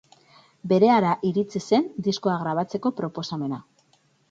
Berehala iritsi zen diskoa grabatzeko proposamena.